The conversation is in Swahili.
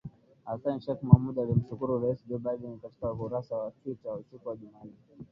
Hassan Sheikh Mohamud alimshukuru Rais Joe Biden katika ukurasa wa Twita siku ya Jumanne